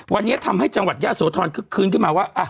วันนี้ทำให้จังหวัดยะโสธรคึกคืนขึ้นมาว่า